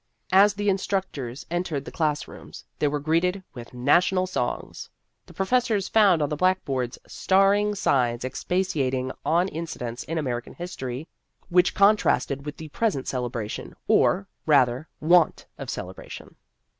As the instructors entered the class rooms, they were greeted with national songs. The professors found on the blackboards star ing signs expatiating on incidents in American history which contrasted with the present celebration, or, rather, want of celebration.